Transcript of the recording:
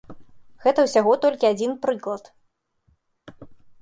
Гэта ўсяго толькі адзін прыклад.